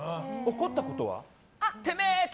怒ったことは？